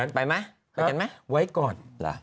้าไปกันไหมไว้ก่อน